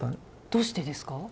どうしてですか？